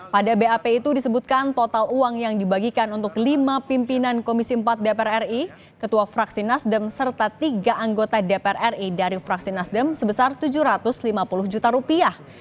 pada bap itu disebutkan total uang yang dibagikan untuk lima pimpinan komisi empat dpr ri ketua fraksi nasdem serta tiga anggota dpr ri dari fraksi nasdem sebesar tujuh ratus lima puluh juta rupiah